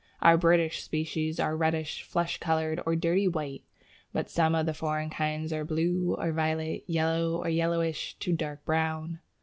Our British species are reddish, flesh coloured, or dirty white, but some of the foreign kinds are blue or violet, yellow, or yellowish to dark brown.